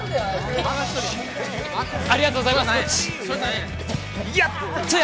ありがとうございますコーチ！